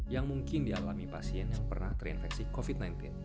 yang mungkin dialami pasien yang pernah terinfeksi covid sembilan belas